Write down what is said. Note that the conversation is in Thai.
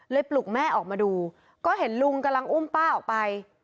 ปลุกแม่ออกมาดูก็เห็นลุงกำลังอุ้มป้าออกไป